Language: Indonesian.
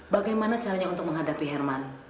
bagaimana caranya untuk menghadapi herman